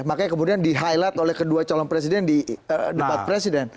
makanya kemudian di highlight oleh kedua calon presiden di debat presiden